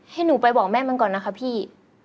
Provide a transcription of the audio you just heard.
ให้หนูไปบอกแม่มันก่อนนะคะพี่